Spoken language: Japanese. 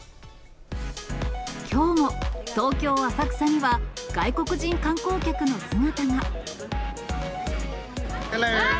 きょうも、東京・浅草には、外国人観光客の姿が。